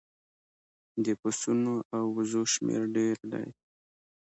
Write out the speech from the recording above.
د پسونو او وزو شمیر ډیر دی